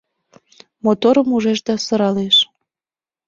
Моторым ужеш да сыралеш.